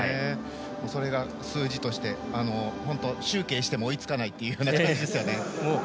それが数字として集計しても追いつかないという感じですよね。